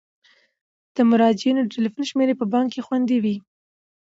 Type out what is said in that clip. د مراجعینو د تلیفون شمیرې په بانک کې خوندي وي.